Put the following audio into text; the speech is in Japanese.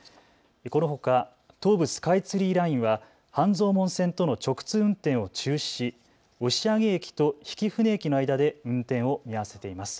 このほか東武スカイツリーラインは半蔵門線との直通運転を中止し押上駅と曳舟駅の間で運転を見合わせています。